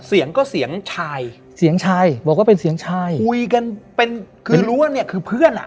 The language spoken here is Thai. เสียงก็เสียงชายเสียงชายบอกว่าเป็นเสียงชายคุยกันเป็นคือรู้ว่าเนี่ยคือเพื่อนอ่ะ